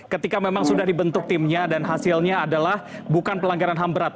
ketika memang sudah dibentuk timnya dan hasilnya adalah bukan pelanggaran ham berat